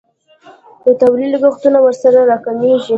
د تولید لګښتونه ورسره راکمیږي.